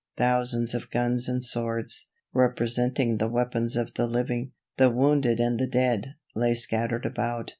Thousands of guns and swords, representing the weapons of the living, the wounded and the dead, lay scattered about.